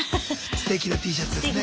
すてきなＴシャツですね